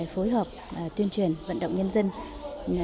phối hợp tuyên truyền vận động nhân dân